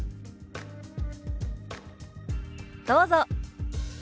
どうぞ。